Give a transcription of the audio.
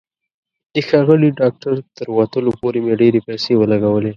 د ښاغلي ډاکټر تر ورتلو پورې مې ډېرې پیسې ولګولې.